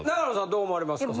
どう思われますか？